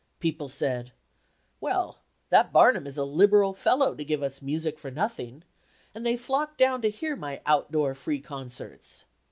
People said, "Well, that Barnum is a liberal fellow to give us music for nothing," and they flocked down to hear my outdoor free concerts.